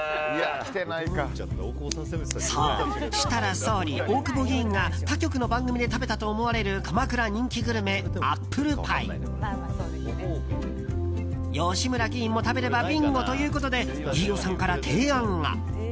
そう、設楽総理大久保議員が他局の番組で食べたと思われる鎌倉人気グルメ、アップルパイ。吉村議員も食べればビンゴということで飯尾さんから提案が。